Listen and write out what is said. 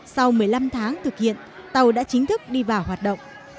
sau một mươi năm tháng thực hiện tàu đã chính thức đi vào hoạt động